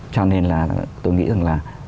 cho nên là tôi nghĩ rằng là